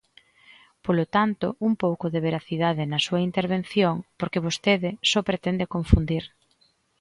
Polo tanto, un pouco de veracidade na súa intervención porque vostede só pretende confundir.